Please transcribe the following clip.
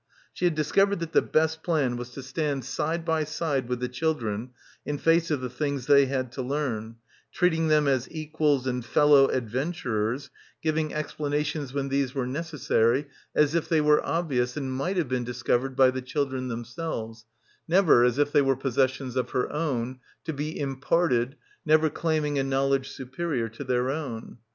She had discovered that the best plan was to stand side by side with the children in face of the things they had to learn, treating them as equals and fellow adventurers, giving explanations when these were necessary, as if they were obvious and — 269 — PILGRIMAGE might have been discovered by the children them selves, never as if they were possessions of her own, to be imparted, never claiming a knowledge superior to their own.